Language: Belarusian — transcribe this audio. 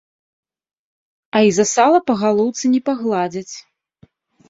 А і за сала па галоўцы не пагладзяць!